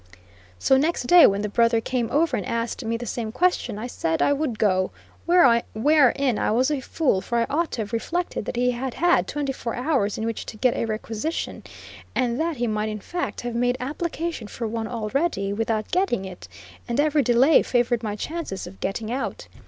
So next day when the brother came over and asked me the same question, I said I would go; wherein I was a fool; for I ought to have reflected that he had had twenty four hours in which to get a requisition, and that he might in fact have made application for one already, without getting it, and every delay favored my chances of getting out.